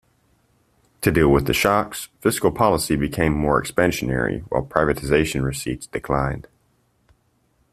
To deal with the shocks, fiscal policy became more expansionary while privatization receipts declined.